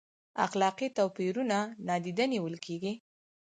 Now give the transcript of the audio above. اخلاقي توپیرونه نادیده نیول کیږي؟